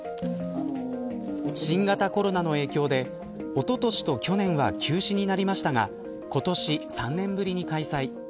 新型コロナの影響でおととしと去年は休止になりましたが今年３年ぶりに開催。